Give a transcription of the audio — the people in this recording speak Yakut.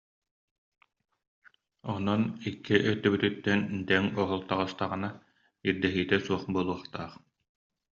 Онон икки өттүбүтүттэн дэҥ-оһол таҕыстаҕына, ирдэһиитэ суох буолуохтаах»